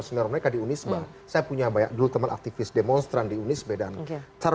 warga lakonan mereka di undis saya punya banyak dulu teman aktivis demonstran di unis bedanya cara